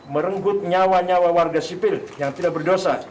merenggut nyawa nyawa warga sipil yang tidak berdosa